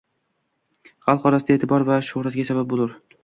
Xalq orasida e’tibor va shuhratga sabab bo’lur